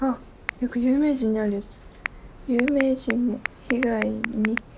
よく有名人にあるやつ！